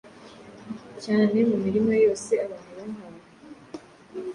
cyane mu mirimo yose abantu bahawe;